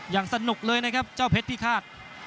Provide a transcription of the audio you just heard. อย่างสนุกเลยนะครับเจ้าเพชรพิฆาต